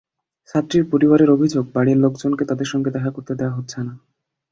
ছাত্রীর পরিবারের অভিযোগ, বাড়ির লোকজনকে তাদের সঙ্গে দেখা করতে দেওয়া হচ্ছে না।